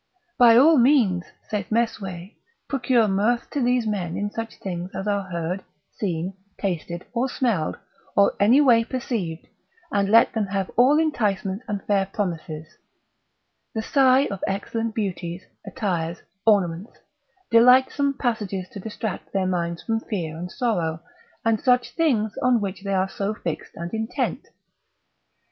By all means (saith Mesue) procure mirth to these men in such things as are heard, seen, tasted, or smelled, or any way perceived, and let them have all enticements and fair promises, the sight of excellent beauties, attires, ornaments, delightsome passages to distract their minds from fear and sorrow, and such things on which they are so fixed and intent.